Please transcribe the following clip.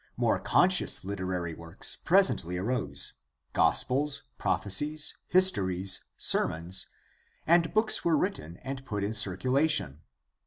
More conscious literary works presently arose — gospels, prophecies, histories, sermons — and books were written and put in circulation.